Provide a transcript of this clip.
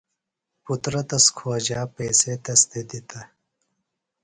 پُترہ تس کھوجا پیئسے تس تھےۡ دِتہ۔